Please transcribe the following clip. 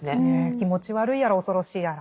気持ち悪いやら恐ろしいやら。